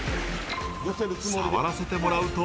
触らせてもらうと。